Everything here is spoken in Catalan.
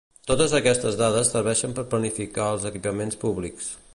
Totes aquestes dades serveixen per planificar els equipaments públics.